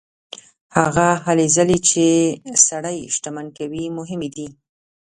هغه هلې ځلې چې سړی شتمن کوي مهمې دي.